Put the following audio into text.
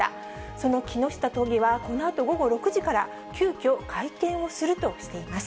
その木下都議は、このあと午後６時から、急きょ、会見をするとしています。